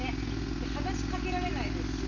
で話しかけられないですしね。